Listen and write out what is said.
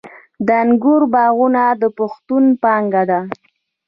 د انګورو باغونه د پښتنو پانګه ده.